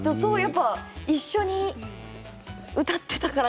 一緒に歌っていたから。